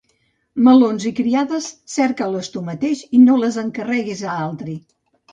Melons i criades, cerca'ls tu mateix i no els encarreguis a altri.